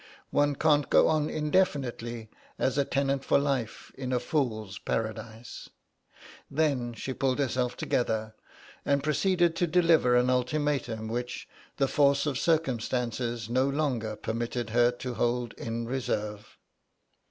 One can't go on indefinitely as a tenant for life in a fools' paradise." Then she pulled herself together and proceeded to deliver an ultimatum which the force of circumstances no longer permitted her to hold in reserve.